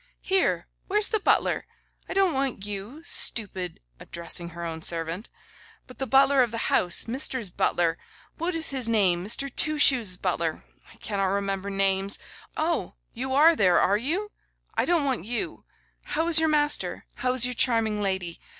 'Here! where's the butler? I don't want you, stupid [addressing her own servant], but the butler of the house, Mister's butler; what is his name, Mr. Twoshoes' butler? I cannot remember names. Oh! you are there, are you? I don't want you. How is your master? How is your charming lady?